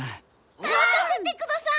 任せてください！